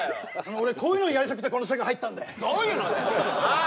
俺こういうのやりたくてこの世界入ったんでどういうのだよはあ？